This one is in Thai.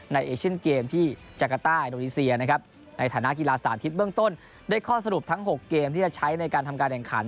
เอเชียนเกมที่จักรต้าอินโดนีเซียนะครับในฐานะกีฬาสาธิตเบื้องต้นได้ข้อสรุปทั้ง๖เกมที่จะใช้ในการทำการแข่งขัน